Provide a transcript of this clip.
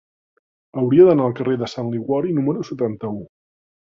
Hauria d'anar al carrer de Sant Liguori número setanta-u.